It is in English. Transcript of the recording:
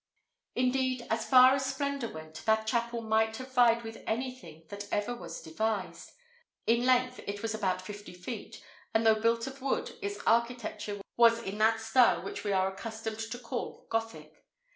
Indeed, as far as splendour went, that chapel might have vied with anything that ever was devised. In length it was about fifty feet; and, though built of wood, its architecture was in that style which we are accustomed to call Gothic.